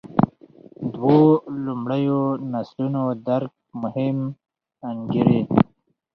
دوو لومړیو نسلونو درک مهم انګېري.